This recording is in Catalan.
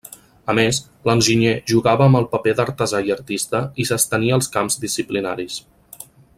A més, l'enginyer jugava amb el paper d'artesà i artista i s'estenien els camps disciplinaris.